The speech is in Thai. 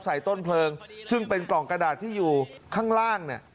ต้นเพลิงซึ่งเป็นกล่องกระดาษที่อยู่ข้างล่างเนี่ย